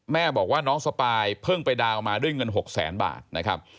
แม่บอกว่าน้องสปายเพิ่งไปดาวน์มาด้วยเงิน๖แสนบาทนะครับ